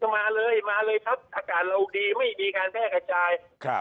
มาเลยมาเลยครับอาการเราดีไม่ดีค่าแถกประชาย